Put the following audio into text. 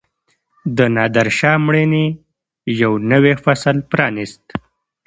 د نادرشاه مړینې یو نوی فصل پرانیست.